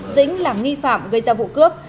dĩnh là nghi phạm gây ra vụ cướp